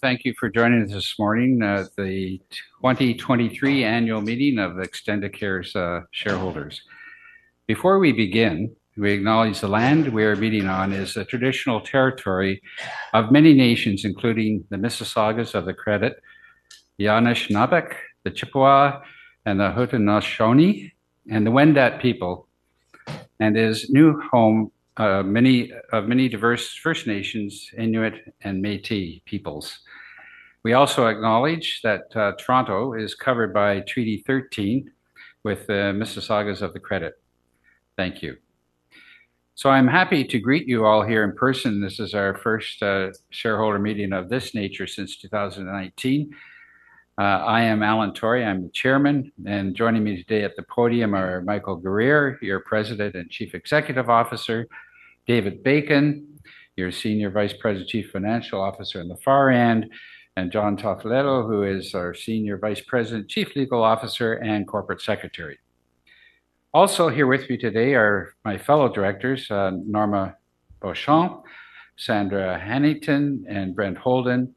Thank you for joining us this morning at the 2023 annual meeting of Extendicare's shareholders. Before we begin, we acknowledge the land we are meeting on is a traditional territory of many nations, including the Mississaugas of the Credit, the Anishinabek, the Chippewa, the Haudenosaunee, and the Wendat people, and is new home of many diverse First Nations, Inuit, and Métis peoples. We also acknowledge that Toronto is covered by Treaty 13 with the Mississaugas of the Credit. Thank you. I'm happy to greet you all here in person. This is our first shareholder meeting of this nature since 2019. I am Alan Torrie. I'm the chairman, and joining me today at the podium are Michael Guerriere, your President and Chief Executive Officer, David Bacon, your Senior Vice President, Chief Financial Officer on the far end, and John Toffoletto, who is our Senior Vice President, Chief Legal Officer, and Corporate Secretary. Also here with me today are my fellow directors, Norma Beauchamp, Sandra Hanington, and Brent Houlden.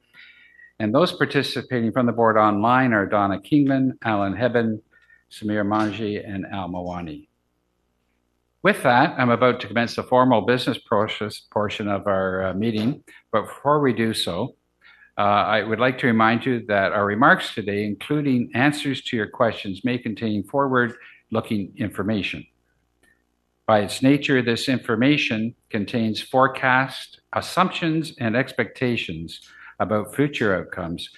Those participating from the board online are Donna Kingelin, Alan Hibben, Samir Manji, and Al Mawani. With that, I'm about to commence the formal business portion of our meeting. Before we do so, I would like to remind you that our remarks today, including answers to your questions, may contain forward-looking information. By its nature, this information contains forecast, assumptions, and expectations about future outcomes,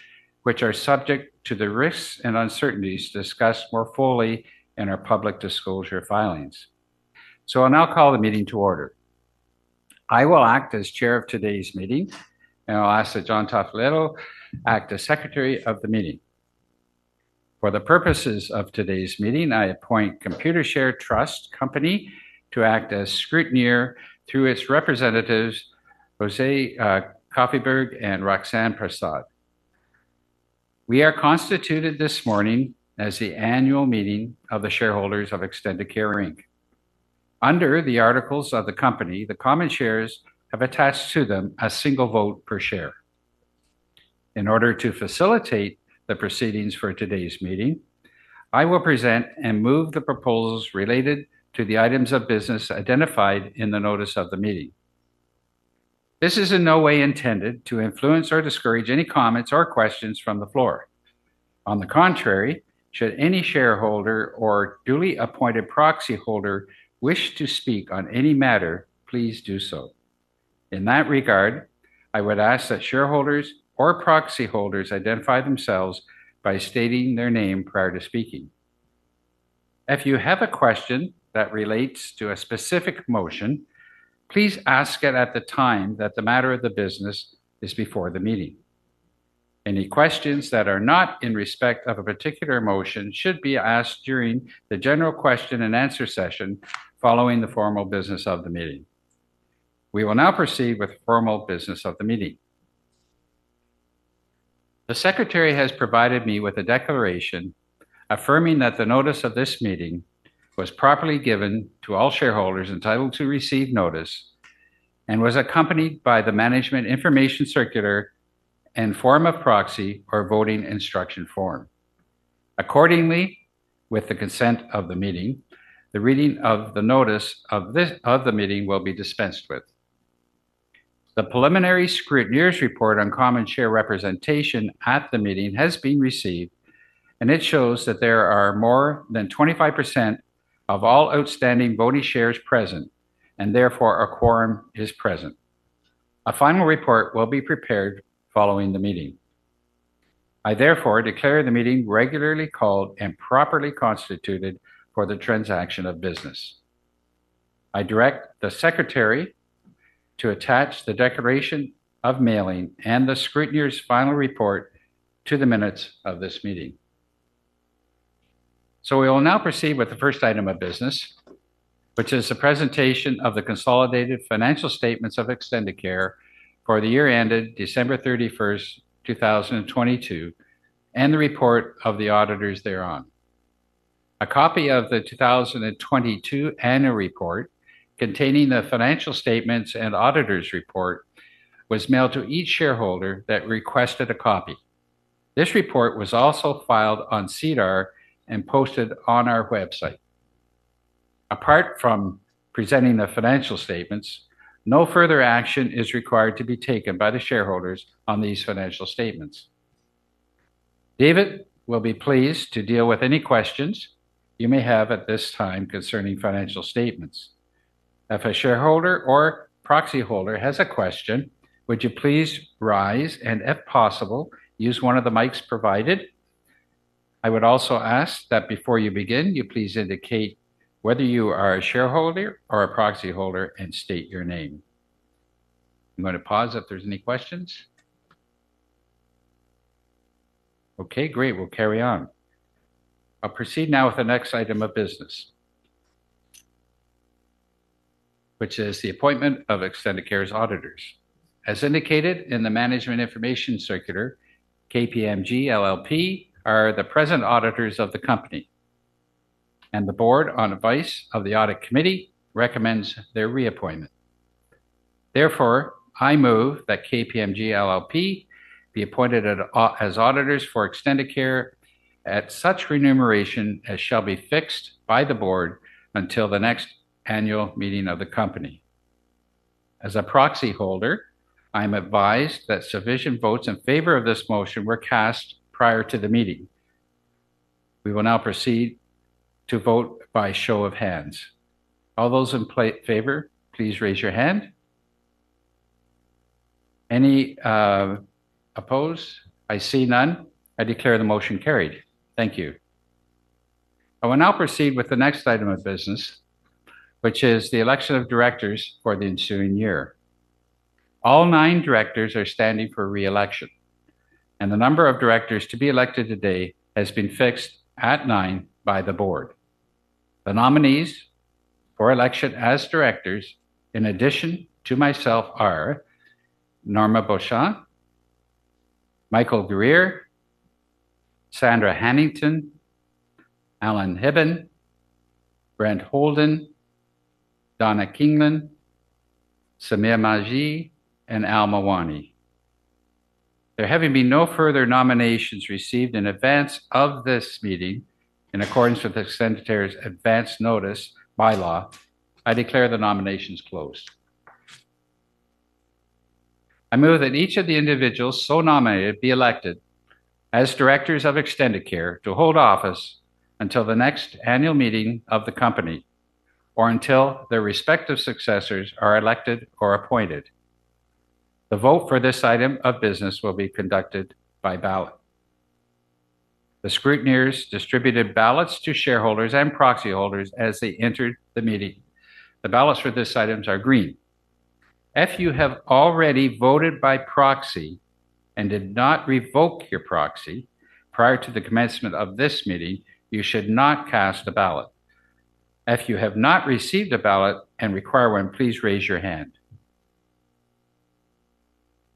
which are subject to the risks and uncertainties discussed more fully in our public disclosure filings. I'll now call the meeting to order. I will act as chair of today's meeting, and I'll ask that John Toffoletto act as secretary of the meeting. For the purposes of today's meeting, I appoint Computershare Trust Company to act as scrutineer through its representatives, José, Koffi Berg and Roxanne Prasad. We are constituted this morning as the annual meeting of the shareholders of Extendicare Inc. Under the articles of the company, the common shares have attached to them a single vote per share. In order to facilitate the proceedings for today's meeting, I will present and move the proposals related to the items of business identified in the notice of the meeting. This is in no way intended to influence or discourage any comments or questions from the floor. On the contrary, should any shareholder or duly appointed proxyholder wish to speak on any matter, please do so. In that regard, I would ask that shareholders or proxyholders identify themselves by stating their name prior to speaking. If you have a question that relates to a specific motion, please ask it at the time that the matter of the business is before the meeting. Any questions that are not in respect of a particular motion should be asked during the general question and answer session following the formal business of the meeting. We will now proceed with the formal business of the meeting. The secretary has provided me with a declaration affirming that the notice of this meeting was properly given to all shareholders entitled to receive notice and was accompanied by the management information circular and form of proxy or voting instruction form. Accordingly, with the consent of the meeting, the reading of the notice of this, of the meeting will be dispensed with. The preliminary scrutineer's report on common share representation at the meeting has been received, and it shows that there are more than 25% of all outstanding voting shares present, and therefore, a quorum is present. A final report will be prepared following the meeting. I therefore declare the meeting regularly called and properly constituted for the transaction of business. I direct the secretary to attach the declaration of mailing and the scrutineer's final report to the minutes of this meeting. We will now proceed with the first item of business, which is the presentation of the consolidated financial statements of Extendicare for the year ended December 31st, 2022, and the report of the auditors thereon. A copy of the 2022 annual report containing the financial statements and auditor's report was mailed to each shareholder that requested a copy. This report was also filed on SEDAR and posted on our website. Apart from presenting the financial statements, no further action is required to be taken by the shareholders on these financial statements. David will be pleased to deal with any questions you may have at this time concerning financial statements. If a shareholder or proxyholder has a question, would you please rise, and if possible, use one of the mics provided? I would also ask that before you begin, you please indicate whether you are a shareholder or a proxyholder and state your name. I'm going to pause if there's any questions. Okay, great. We'll carry on. I'll proceed now with the next item of business, which is the appointment of Extendicare's auditors. As indicated in the management information circular, KPMG LLP are the present auditors of the company. The Board, on advice of the audit committee, recommends their reappointment. Therefore, I move that KPMG LLP be appointed as auditors for Extendicare at such remuneration as shall be fixed by the board until the next annual meeting of the company. As a proxy holder, I am advised that sufficient votes in favor of this motion were cast prior to the meeting. We will now proceed to vote by show of hands. All those in favor, please raise your hand. Any opposed? I see none. I declare the motion carried. Thank you. I will now proceed with the next item of business, which is the election of directors for the ensuing year. All nine directors are standing for re-election, and the number of directors to be elected today has been fixed at nine by the Board. The nominees for election as directors, in addition to myself, are Norma Beauchamp, Michael Guerriere, Sandra Hanington, Alan Hibben, Brent Houlden, Donna Kingelin, Samir Manji, and Al Mawani. There having been no further nominations received in advance of this meeting, in accordance with Extendicare's advance notice bylaw, I declare the nominations closed. I move that each of the individuals so nominated be elected as directors of Extendicare to hold office until the next annual meeting of the company or until their respective successors are elected or appointed. The vote for this item of business will be conducted by ballot. The scrutineers distributed ballots to shareholders and proxy holders as they entered the meeting. The ballots for this items are green. If you have already voted by proxy and did not revoke your proxy prior to the commencement of this meeting, you should not cast a ballot. If you have not received a ballot and require one, please raise your hand.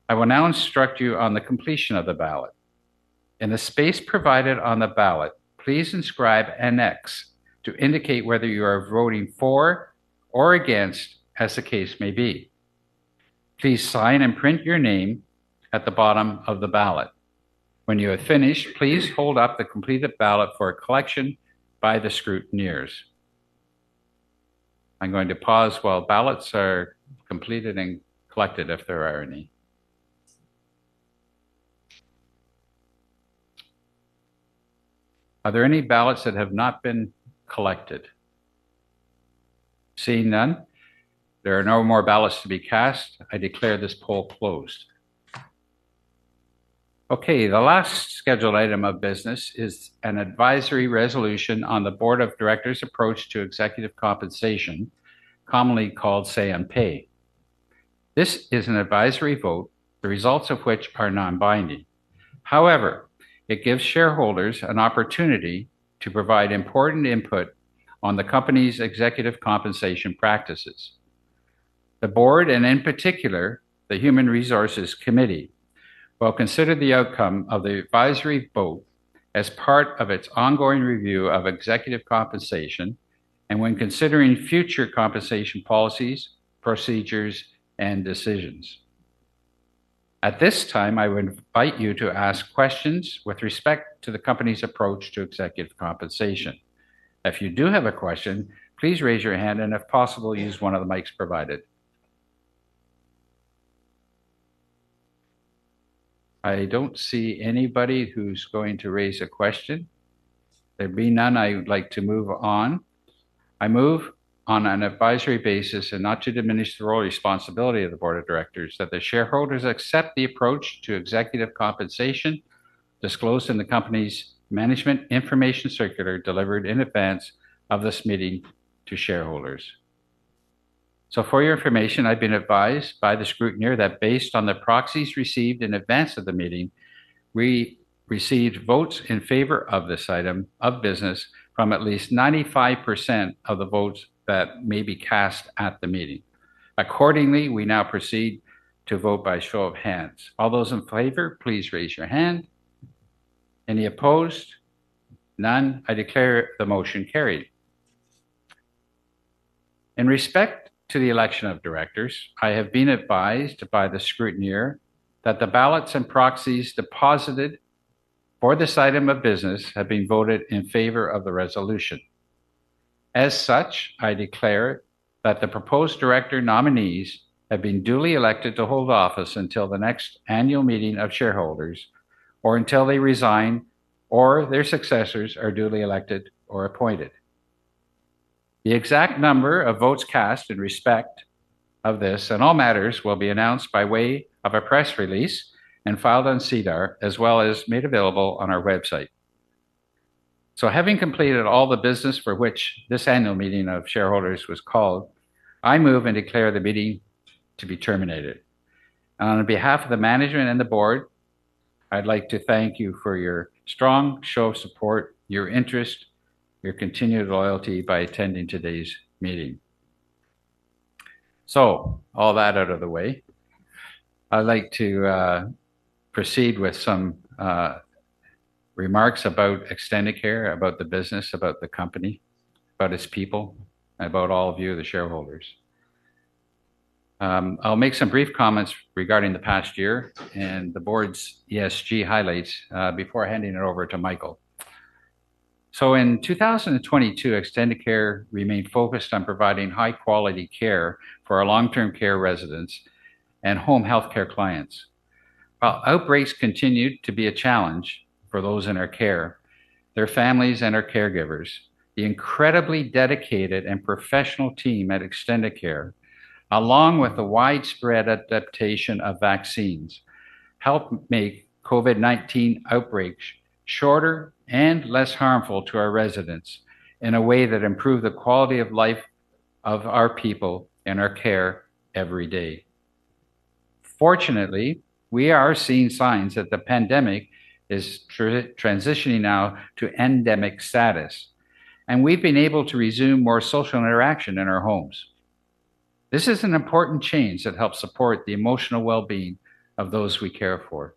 I will now instruct you on the completion of the ballot. In the space provided on the ballot, please inscribe an X to indicate whether you are voting for or against, as the case may be. Please sign and print your name at the bottom of the ballot. When you are finished, please hold up the completed ballot for collection by the scrutineers. I'm going to pause while ballots are completed and collected, if there are any. Are there any ballots that have not been collected? Seeing none, there are no more ballots to be cast. I declare this poll closed. Okay, the last scheduled item of business is an advisory resolution on the board of directors' approach to executive compensation, commonly called say on pay. This is an advisory vote, the results of which are non-binding. However, it gives shareholders an opportunity to provide important input on the company's executive compensation practices. The board, and in particular, the Human Resources Committee, will consider the outcome of the advisory vote as part of its ongoing review of executive compensation and when considering future compensation policies, procedures, and decisions. At this time, I would invite you to ask questions with respect to the company's approach to executive compensation. If you do have a question, please raise your hand, and if possible, use one of the mics provided. I don't see anybody who's going to raise a question. There being none, I would like to move on. I move on an advisory basis, and not to diminish the role or responsibility of the board of directors, that the shareholders accept the approach to executive compensation disclosed in the company's management information circular, delivered in advance of this meeting to shareholders. For your information, I've been advised by the scrutineer that based on the proxies received in advance of the meeting, we received votes in favor of this item of business from at least 95% of the votes that may be cast at the meeting. Accordingly, we now proceed to vote by show of hands. All those in favor, please raise your hand. Any opposed? None. I declare the motion carried. In respect to the election of directors, I have been advised by the scrutineer that the ballots and proxies deposited for this item of business have been voted in favor of the resolution. As such, I declare that the proposed director nominees have been duly elected to hold office until the next annual meeting of shareholders, or until they resign, or their successors are duly elected or appointed. The exact number of votes cast in respect of this and all matters will be announced by way of a press release and filed on SEDAR, as well as made available on our website. Having completed all the business for which this annual meeting of shareholders was called, I move and declare the meeting to be terminated. On behalf of the management and the board, I'd like to thank you for your strong show of support, your interest, your continued loyalty by attending today's meeting. All that out of the way, I'd like to proceed with some remarks about Extendicare, about the business, about the company, about its people, and about all of you, the shareholders. I'll make some brief comments regarding the past year and the board's ESG highlights before handing it over to Michael. In 2022, Extendicare remained focused on providing high-quality care for our long-term care residents and home health care clients. While outbreaks continued to be a challenge for those in our care, their families, and our caregivers, the incredibly dedicated and professional team at Extendicare, along with the widespread adaptation of vaccines, helped make COVID-19 outbreaks shorter and less harmful to our residents in a way that improved the quality of life of our people and our care every day. Fortunately, we are seeing signs that the pandemic is transitioning now to endemic status, and we've been able to resume more social interaction in our homes. This is an important change that helps support the emotional well-being of those we care for.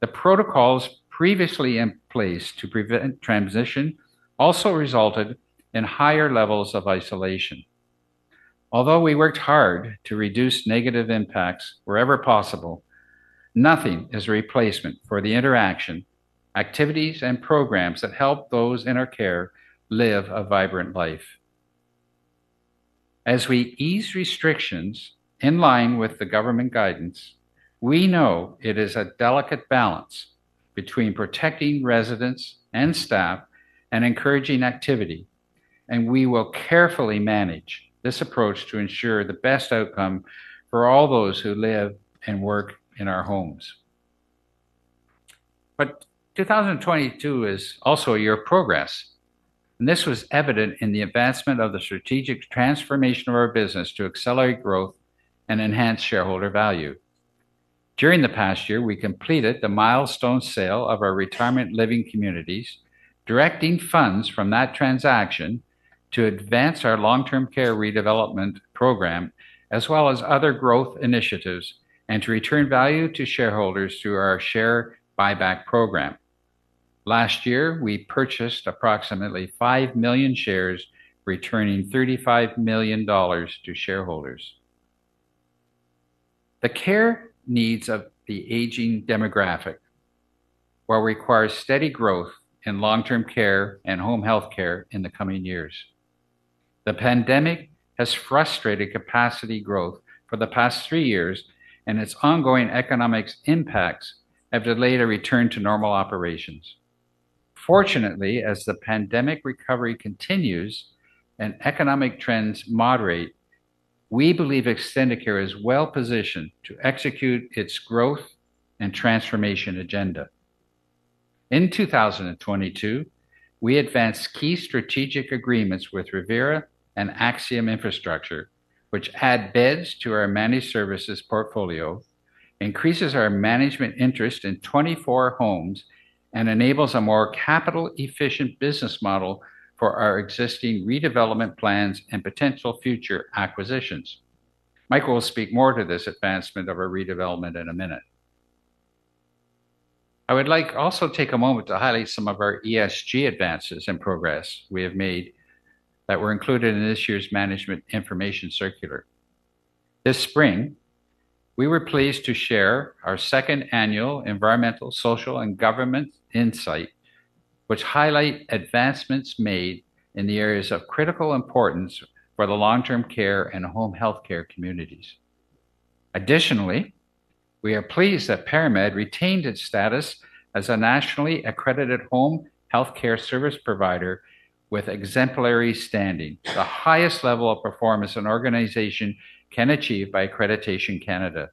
The protocols previously in place to prevent transmission also resulted in higher levels of isolation. Although we worked hard to reduce negative impacts wherever possible, nothing is a replacement for the interaction, activities, and programs that help those in our care live a vibrant life. As we ease restrictions in line with the government guidance, we know it is a delicate balance between protecting residents and staff and encouraging activity, and we will carefully manage this approach to ensure the best outcome for all those who live and work in our homes. 2022 is also a year of progress, and this was evident in the advancement of the strategic transformation of our business to accelerate growth and enhance shareholder value. During the past year, we completed the milestone sale of our retirement living communities, directing funds from that transaction to advance our long-term care redevelopment program, as well as other growth initiatives, and to return value to shareholders through our share buyback program. Last year, we purchased approximately 5 million shares, returning 35 million dollars to shareholders. The care needs of the aging demographic will require steady growth in long-term care and home health care in the coming years. The pandemic has frustrated capacity growth for the past three years, and its ongoing economics impacts have delayed a return to normal operations. Fortunately, as the pandemic recovery continues and economic trends moderate, we believe Extendicare is well positioned to execute its growth and transformation agenda. In 2022, we advanced key strategic agreements with Revera and Axium Infrastructure, which add beds to our managed services portfolio, increases our management interest in 24 homes, and enables a more capital-efficient business model for our existing redevelopment plans and potential future acquisitions. Michael will speak more to this advancement of our redevelopment in a minute. I would like also take a moment to highlight some of our ESG advances and progress we have made that were included in this year's management information circular. This spring, we were pleased to share our second annual environmental, social, and government insight, which highlight advancements made in the areas of critical importance for the long-term care and home health care communities. Additionally, we are pleased that ParaMed retained its status as a nationally accredited home health care service provider with exemplary standing, the highest level of performance an organization can achieve by Accreditation Canada.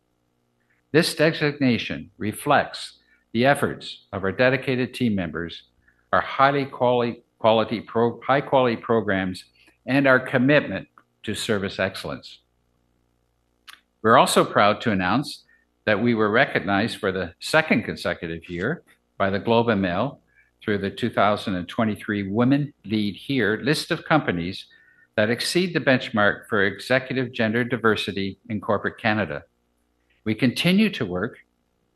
This designation reflects the efforts of our dedicated team members, our high-quality programs, and our commitment to service excellence. We're also proud to announce that we were recognized for the second consecutive year by The Globe and Mail through the 2023 Women Lead Here list of companies that exceed the benchmark for executive gender diversity in corporate Canada. We continue to work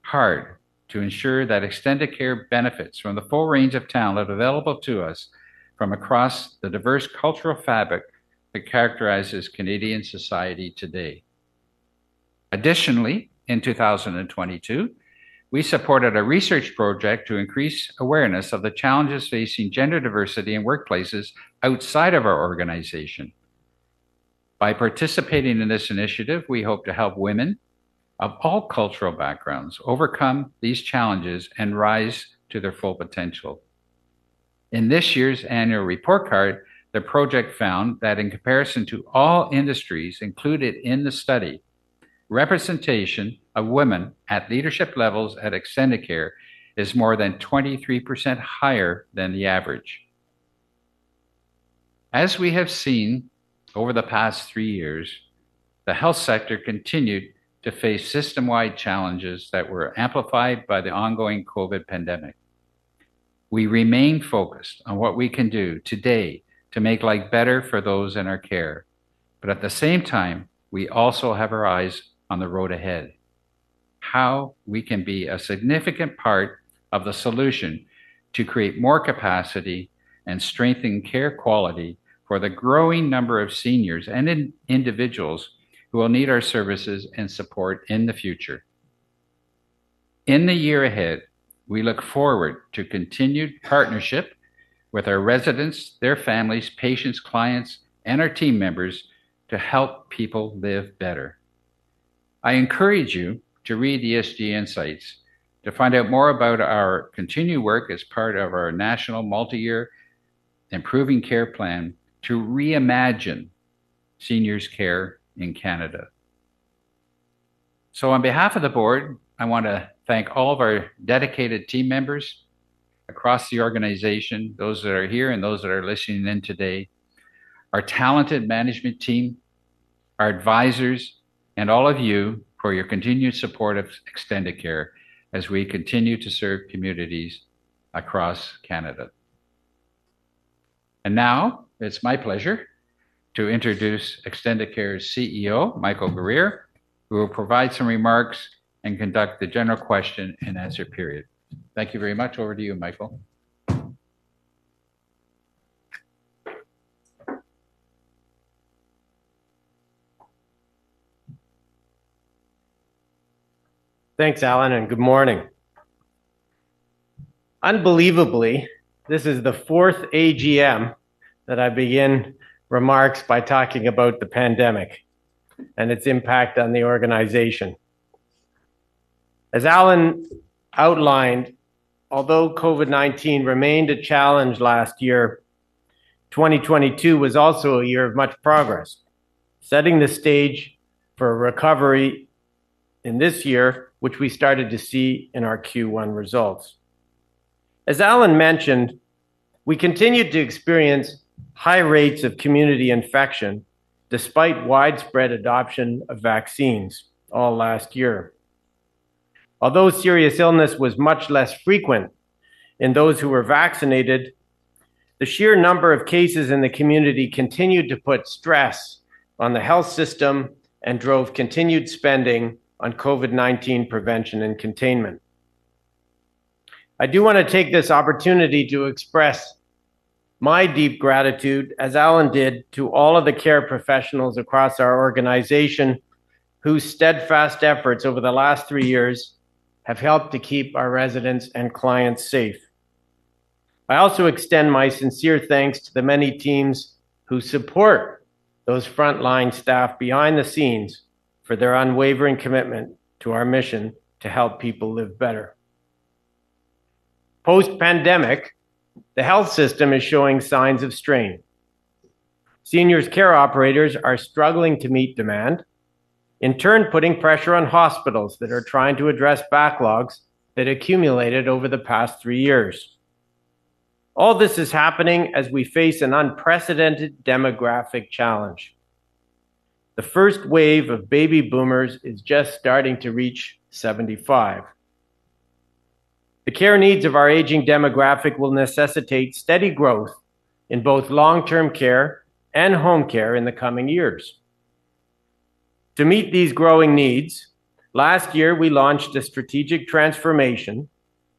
hard to ensure that Extendicare benefits from the full range of talent available to us from across the diverse cultural fabric that characterizes Canadian society today. Additionally, in 2022, we supported a research project to increase awareness of the challenges facing gender diversity in workplaces outside of our organization. By participating in this initiative, we hope to help women of all cultural backgrounds overcome these challenges and rise to their full potential. In this year's annual report card, the project found that in comparison to all industries included in the study, representation of women at leadership levels at Extendicare is more than 23% higher than the average. As we have seen over the past three years, the health sector continued to face system-wide challenges that were amplified by the ongoing COVID pandemic. We remain focused on what we can do today to make life better for those in our care. At the same time, we also have our eyes on the road ahead, how we can be a significant part of the solution to create more capacity and strengthen care quality for the growing number of seniors and individuals who will need our services and support in the future. In the year ahead, we look forward to continued partnership with our residents, their families, patients, clients, and our team members to help people live better. I encourage you to read the ESG Insights to find out more about our continued work as part of our national multi-year improving care plan to reimagine seniors' care in Canada. On behalf of the Board, I want to thank all of our dedicated team members across the organization, those that are here and those that are listening in today, our talented management team, our advisors, and all of you for your continued support of Extendicare as we continue to serve communities across Canada. Now, it's my pleasure to introduce Extendicare's CEO, Michael Guerriere, who will provide some remarks and conduct the general question and answer period. Thank you very much. Over to you, Michael. Thanks, Alan. Good morning. Unbelievably, this is the fourth AGM that I begin remarks by talking about the pandemic and its impact on the organization. As Alan outlined, although COVID-19 remained a challenge last year, 2022 was also a year of much progress, setting the stage for a recovery in this year, which we started to see in our Q1 results. As Alan mentioned, we continued to experience high rates of community infection despite widespread adoption of vaccines all last year. Although serious illness was much less frequent in those who were vaccinated, the sheer number of cases in the community continued to put stress on the health system and drove continued spending on COVID-19 prevention and containment. I do want to take this opportunity to express my deep gratitude, as Alan did, to all of the care professionals across our organization, whose steadfast efforts over the last three years have helped to keep our residents and clients safe. I also extend my sincere thanks to the many teams who support those frontline staff behind the scenes for their unwavering commitment to our mission to help people live better. Post-pandemic, the health system is showing signs of strain. Seniors' care operators are struggling to meet demand, in turn, putting pressure on hospitals that are trying to address backlogs that accumulated over the past three years. All this is happening as we face an unprecedented demographic challenge. The first wave of baby boomers is just starting to reach 75. The care needs of our aging demographic will necessitate steady growth in both long-term care and home care in the coming years. To meet these growing needs, last year, we launched a strategic transformation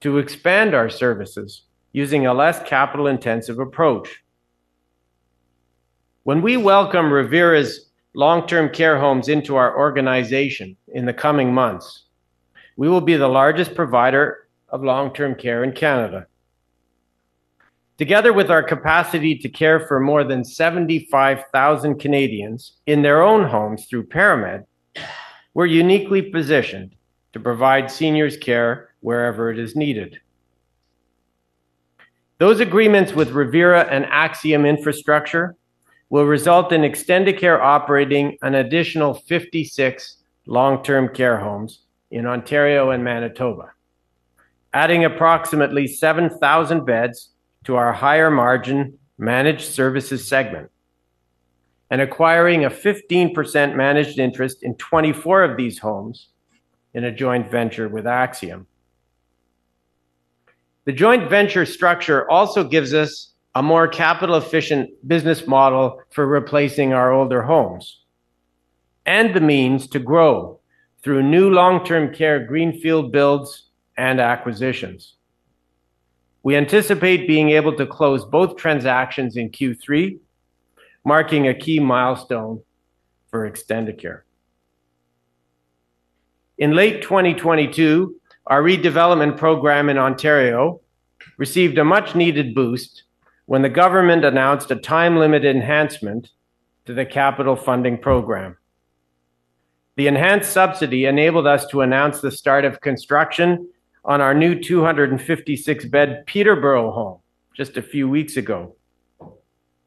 to expand our services using a less capital-intensive approach. When we welcome Revera's long-term care homes into our organization in the coming months, we will be the largest provider of long-term care in Canada. Together with our capacity to care for more than 75,000 Canadians in their own homes through ParaMed, we're uniquely positioned to provide seniors care wherever it is needed. Those agreements with Revera and Axium Infrastructure will result in Extendicare operating an additional 56 long-term care homes in Ontario and Manitoba, adding approximately 7,000 beds to our higher margin Managed Services Segment and acquiring a 15% managed interest in 24 of these homes in a joint venture with Axium. The joint venture structure also gives us a more capital-efficient business model for replacing our older homes and the means to grow through new long-term care greenfield builds and acquisitions. We anticipate being able to close both transactions in Q3, marking a key milestone for Extendicare. In late 2022, our redevelopment program in Ontario received a much-needed boost when the government announced a time-limited enhancement to the capital funding program. The enhanced subsidy enabled us to announce the start of construction on our new 256-bed Peterborough home just a few weeks ago.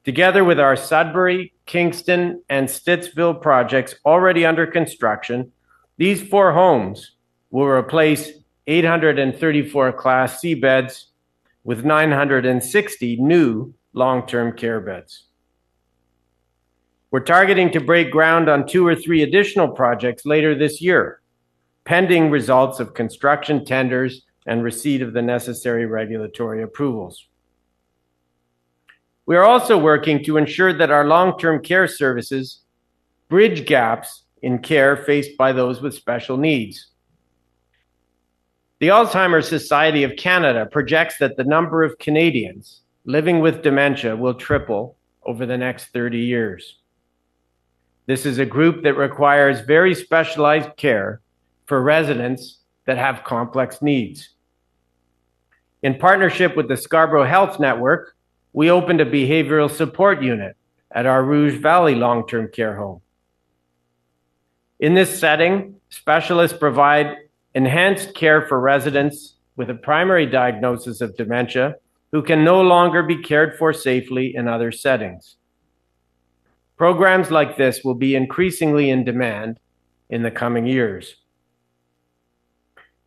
Together with our Sudbury, Kingston, and Stittsville projects already under construction, these four homes will replace 834 Class C beds with 960 new long-term care beds. We're targeting to break ground on two or three additional projects later this year, pending results of construction tenders and receipt of the necessary regulatory approvals. We are also working to ensure that our long-term care services bridge gaps in care faced by those with special needs. The Alzheimer Society of Canada projects that the number of Canadians living with dementia will triple over the next 30 years. This is a group that requires very specialized care for residents that have complex needs. In partnership with the Scarborough Health Network, we opened a behavioral support unit at our Rouge Valley Long-Term Care Home. In this setting, specialists provide enhanced care for residents with a primary diagnosis of dementia, who can no longer be cared for safely in other settings. Programs like this will be increasingly in demand in the coming years.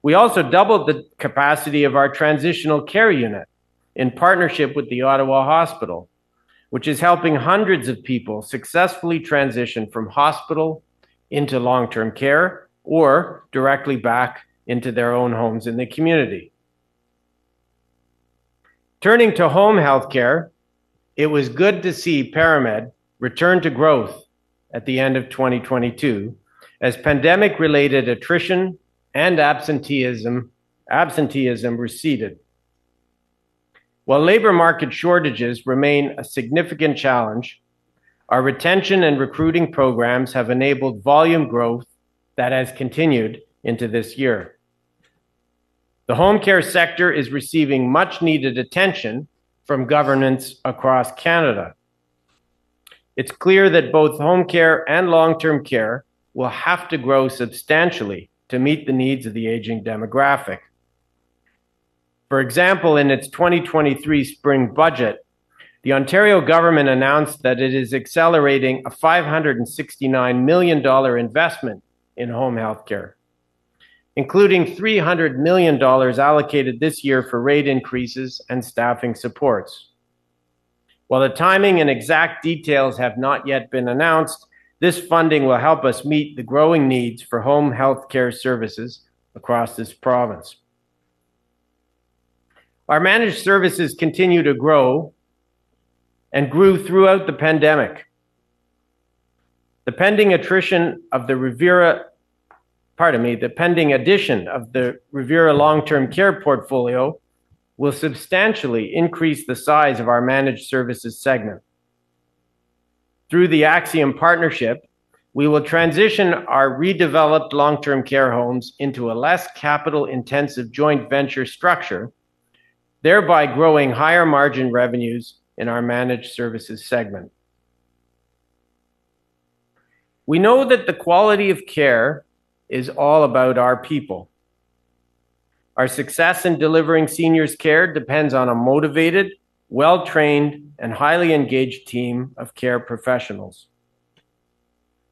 We also doubled the capacity of our transitional care unit in partnership with The Ottawa Hospital, which is helping hundreds of people successfully transition from hospital into long-term care or directly back into their own homes in the community. Turning to home health care, it was good to see ParaMed return to growth at the end of 2022, as pandemic-related attrition and absenteeism receded. While labor market shortages remain a significant challenge, our retention and recruiting programs have enabled volume growth that has continued into this year. The home care sector is receiving much-needed attention from governments across Canada. It's clear that both home care and long-term care will have to grow substantially to meet the needs of the aging demographic. For example, in its 2023 spring budget, the Ontario government announced that it is accelerating a $569 million investment in home health care, including $300 million allocated this year for rate increases and staffing supports. While the timing and exact details have not yet been announced, this funding will help us meet the growing needs for home health care services across this province. Our managed services continue to grow and grew throughout the pandemic. The pending addition of the Revera long-term care portfolio will substantially increase the size of our managed services segment. Through the Axium partnership, we will transition our redeveloped long-term care homes into a less capital-intensive joint venture structure, thereby growing higher margin revenues in our managed services segment. We know that the quality of care is all about our people. Our success in delivering seniors care depends on a motivated, well-trained, and highly engaged team of care professionals.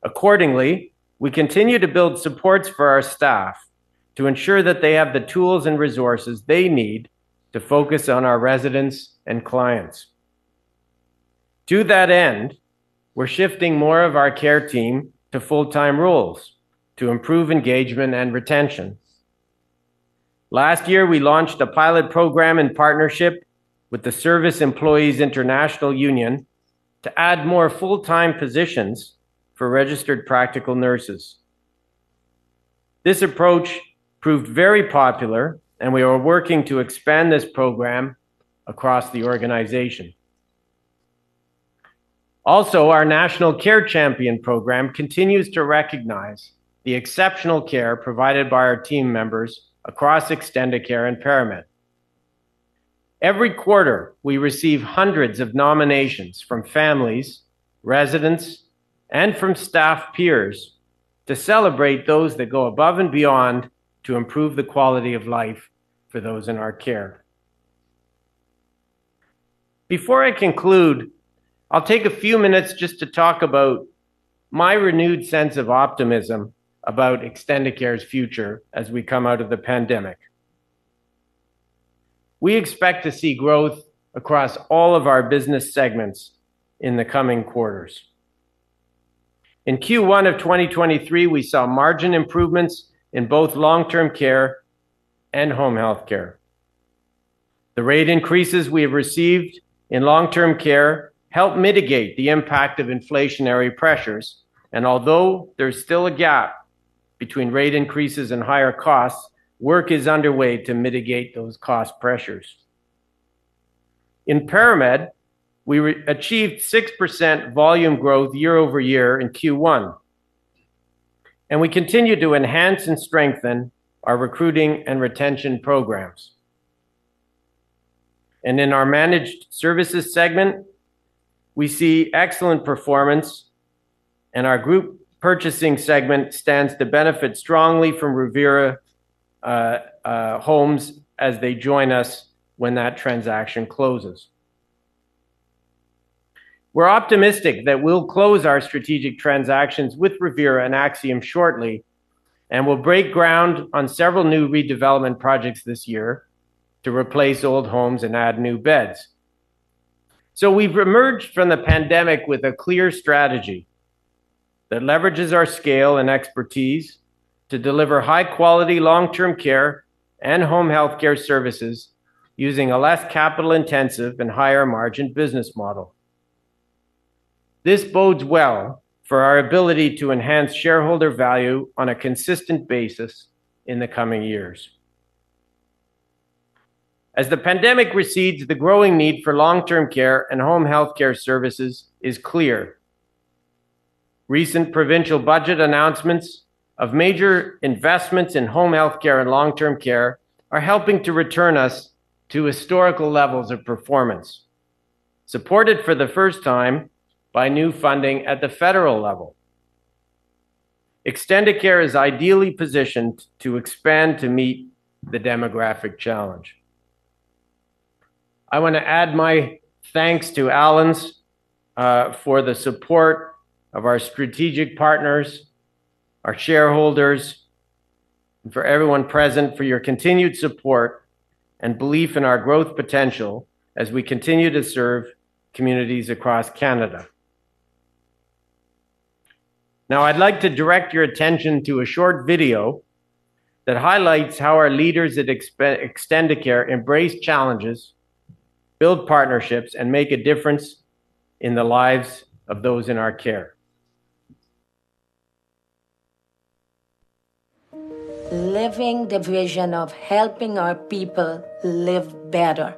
Accordingly, we continue to build supports for our staff to ensure that they have the tools and resources they need to focus on our residents and clients. To that end, we're shifting more of our care team to full-time roles to improve engagement and retention. Last year, we launched a pilot program in partnership with the Service Employees International Union to add more full-time positions for registered practical nurses. This approach proved very popular, and we are working to expand this program across the organization. Also, our National Care Champion program continues to recognize the exceptional care provided by our team members across Extendicare and ParaMed. Every quarter, we receive hundreds of nominations from families, residents, and from staff peers to celebrate those that go above and beyond to improve the quality of life for those in our care. Before I conclude, I'll take a few minutes just to talk about my renewed sense of optimism about Extendicare's future as we come out of the pandemic. We expect to see growth across all of our business segments in the coming quarters. In Q1 of 2023, we saw margin improvements in both long-term care and home health care. The rate increases we have received in long-term care helped mitigate the impact of inflationary pressures, and although there's still a gap between rate increases and higher costs, work is underway to mitigate those cost pressures. In ParaMed, we re-achieved 6% volume growth year-over-year in Q1. We continue to enhance and strengthen our recruiting and retention programs. In our managed services segment, we see excellent performance, and our group purchasing segment stands to benefit strongly from Revera homes as they join us when that transaction closes. We're optimistic that we'll close our strategic transactions with Revera and Axium shortly. We'll break ground on several new redevelopment projects this year to replace old homes and add new beds. We've reemerged from the pandemic with a clear strategy that leverages our scale and expertise to deliver high quality long-term care and home healthcare services using a less capital intensive and higher margin business model. This bodes well for our ability to enhance shareholder value on a consistent basis in the coming years. As the pandemic recedes, the growing need for long-term care and home healthcare services is clear. Recent provincial budget announcements of major investments in home healthcare and long-term care are helping to return us to historical levels of performance, supported for the first time by new funding at the federal level. Extendicare is ideally positioned to expand to meet the demographic challenge. I want to add my thanks to Allen's for the support of our strategic partners, our shareholders, and for everyone present for your continued support and belief in our growth potential as we continue to serve communities across Canada. I'd like to direct your attention to a short video that highlights how our leaders at Extendicare embrace challenges, build partnerships, and make a difference in the lives of those in our care. Living the vision of helping our people live better,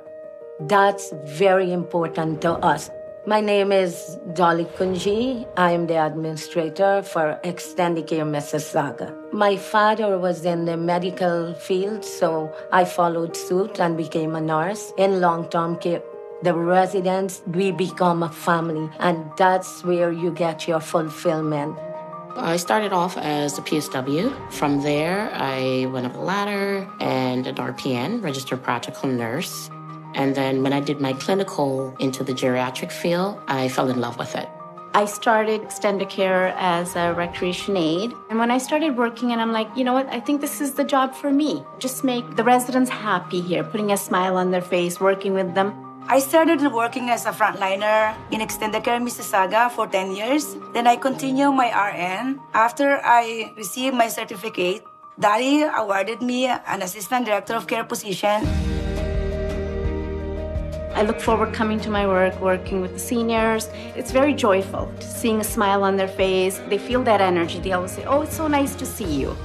that's very important to us. My name is Dolly Kunji. I am the administrator for Extendicare Mississauga. My father was in the medical field, so I followed suit and became a nurse in long-term care. The residents, we become a family, and that's where you get your fulfillment. I started off as a PSW. From there, I went up the ladder and an RPN, registered practical nurse, then when I did my clinical into the geriatric field, I fell in love with it. I started Extendicare as a recreation aide, and when I started working, and I'm like, "You know what? I think this is the job for me." Just make the residents happy here, putting a smile on their face, working with them. I started working as a frontliner in Extendicare Mississauga for 10 years, I continue my RN. After I received my certificate, Dolly awarded me an assistant director of care position. I look forward coming to my work, working with the seniors. It's very joyful to seeing a smile on their face. They feel that energy. They always say: "Oh, it's so nice to see you.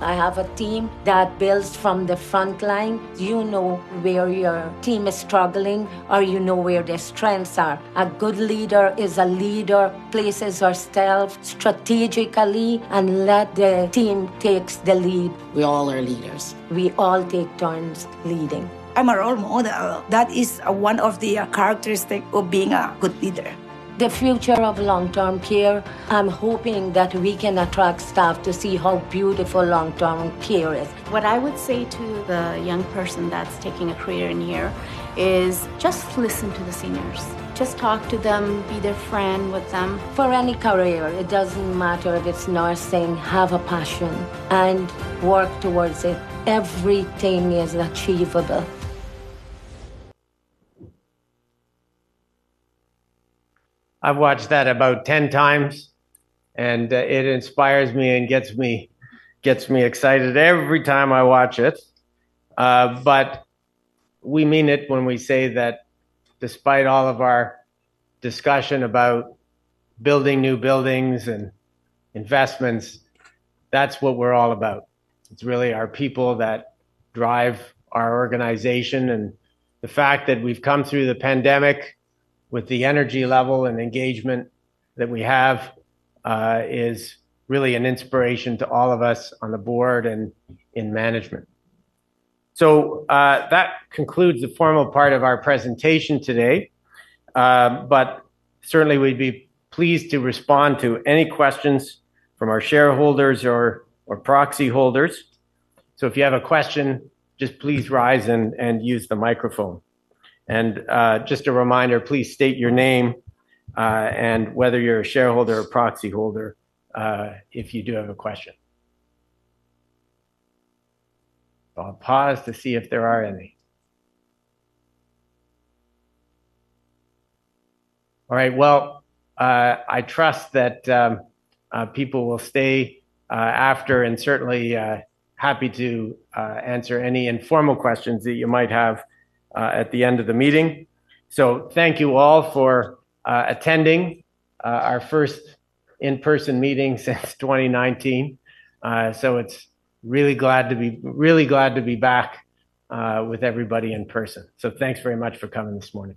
I have a team that builds from the front line. You know where your team is struggling, or you know where their strengths are. A good leader is a leader, places our staff strategically and let the team takes the lead. We all are leaders. We all take turns leading. I'm a role model. That is one of the characteristic of being a good leader. The future of long-term care, I'm hoping that we can attract staff to see how beautiful long-term care is. What I would say to the young person that's taking a career in here is just listen to the seniors. Just talk to them, be their friend with them. For any career, it doesn't matter if it's nursing, have a passion and work towards it. Everything is achievable. I've watched that about 10x, and it inspires me and gets me excited every time I watch it. We mean it when we say that despite all of our discussion about building new buildings and investments, that's what we're all about. It's really our people that drive our organization, and the fact that we've come through the pandemic with the energy level and engagement that we have is really an inspiration to all of us on the board and in management. That concludes the formal part of our presentation today. Certainly we'd be pleased to respond to any questions from our shareholders or proxy holders. If you have a question, just please rise and use the microphone. Just a reminder, please state your name and whether you're a shareholder or proxy holder, if you do have a question. I'll pause to see if there are any. All right, well, I trust that people will stay after, and certainly happy to answer any informal questions that you might have at the end of the meeting. Thank you all for attending our first in-person meeting since 2019. It's really glad to be back with everybody in person. Thanks very much for coming this morning.